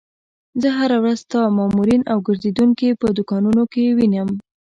زه هره ورځ ستا مامورین او ګرځېدونکي په دوکانونو کې وینم.